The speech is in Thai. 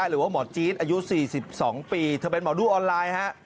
หรือว่าหมอจี๊ดอายุ๔๒ปีเธอเป็นหมอดูออนไลน์ฮะ